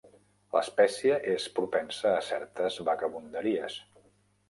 L'espècie és propensa a certes vagabunderies.